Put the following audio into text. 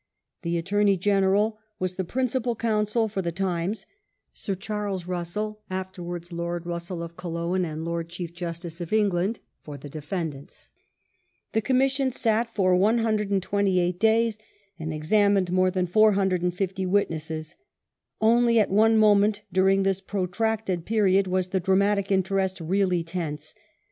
The Attorney General was the principal counsel for The Times, Sir Charles Russell, afterwards Lord Russell of Killowen and Lord Chief Justice of England, for the defendants. The Com mission sat for 128 days,^ and examined raoi e than 450 witnesses. Only at one moment during this protracted period was the dramatic interest really tense.